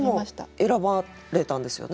でも選ばれたんですよね？